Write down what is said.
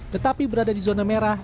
tetapi berada di zona merah